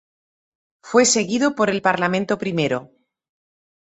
Fue seguido por el Parlamento l